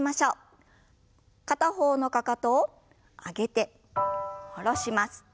片方のかかとを上げて下ろします。